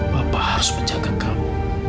bapak harus menjaga kamu